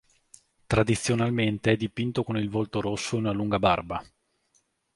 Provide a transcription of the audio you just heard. Tradizionalmente è dipinto con il volto rosso ed una lunga barba.